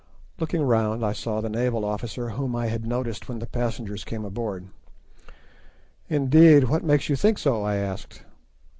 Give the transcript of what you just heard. Looking round I saw the naval officer whom I had noticed when the passengers came aboard. "Indeed, now what makes you think so?" I asked.